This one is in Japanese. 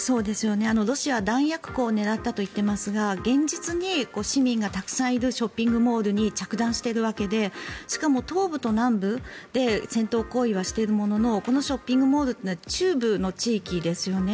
ロシアは弾薬庫を狙ったと言っていますが現実に市民がたくさんいるショッピングモールに着弾しているわけでしかも、東部と南部で戦闘行為はしているもののこのショッピングモールは中部の地域ですよね。